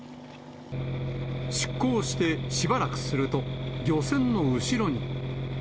出港してしばらくすると、漁船の後ろに。